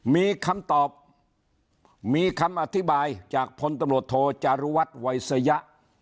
มีคำตอบมีคำอธิบายจากพลตำรวจโทจารุวัฒน์วัยสยะ